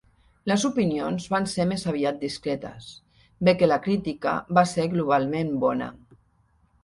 Les opinions van ser més aviat discretes, bé que la crítica va ser globalment bona.